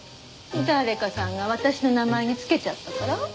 誰かさんが私の名前につけちゃったから。